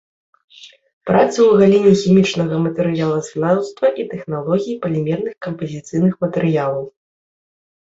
Працы ў галіне хімічнага матэрыялазнаўства і тэхналогіі палімерных кампазіцыйных матэрыялаў.